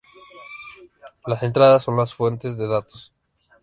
Las entradas son las fuentes de datos.